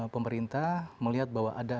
pemerintah melihat bahwa